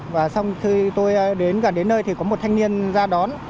và xong khi tôi gần đến nơi thì có một thanh niên ra đón